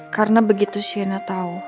karena begitu sienna tau